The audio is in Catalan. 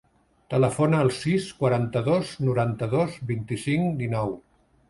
Telefona al sis, quaranta-dos, noranta-dos, vint-i-cinc, dinou.